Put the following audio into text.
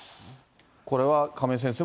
これは亀井先生